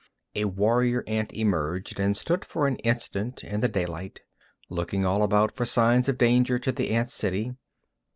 A warrior ant emerged, and stood for an instant in the daylight, looking all about for signs of danger to the ant city.